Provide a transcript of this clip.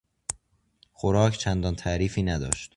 خوراک چندان تعریفی نداشت.